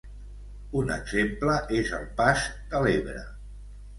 Un exemple és el Pas de l'Ebre.